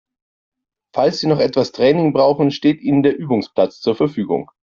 Falls Sie noch etwas Training brauchen, steht Ihnen der Übungsplatz zur Verfügung.